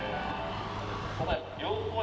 あとここが。